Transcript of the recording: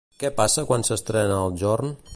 Què passa quan s'estrena el jorn?